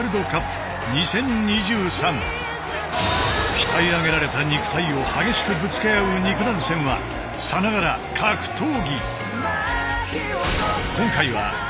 鍛え上げられた肉体を激しくぶつけ合う肉弾戦はさながら格闘技。